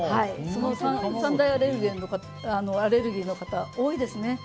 その３大アレルゲンの方多いですね。